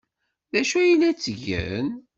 D acu ay la ttgen?